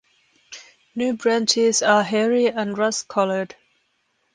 New branches are hairy and rust coloured.